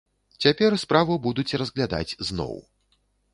Цяпер справу будуць разглядаць зноў.